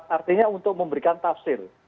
artinya untuk memberikan tafsir